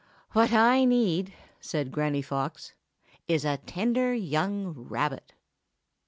"What I need," said Granny Fox, "is a tender young rabbit."